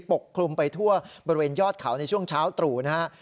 ปกคลุมไปทั่วบริเวณยอดเขาในช่วงเช้าตรู่นะฮะ